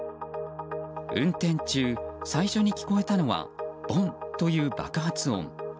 運転中、最初に聞こえたのはボンという爆発音。